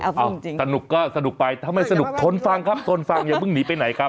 เอาจริงสนุกก็สนุกไปถ้าไม่สนุกทนฟังครับทนฟังอย่าเพิ่งหนีไปไหนครับ